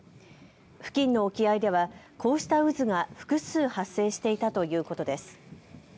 付近の沖合ではこうした渦が複数発生していたということです。